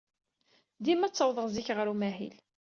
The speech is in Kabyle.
Dima ttawḍeɣ zik ɣer umahil.